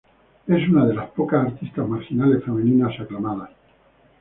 Es una de las pocas artistas marginales femeninas aclamadas.